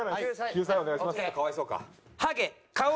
救済お願いします。